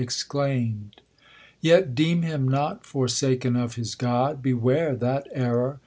exclaim'd. Yet deem him not forsaken of his God ! Beware that error.